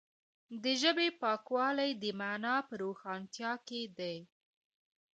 د ژبې پاکوالی د معنا په روښانتیا کې دی.